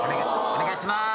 ・お願いします。